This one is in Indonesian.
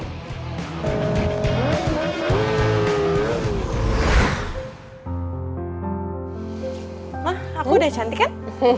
wah aku udah cantik kan